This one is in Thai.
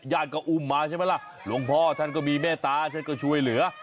ก็อุ้มมาใช่ไหมล่ะหลวงพ่อท่านก็มีเมตตาท่านก็ช่วยเหลือ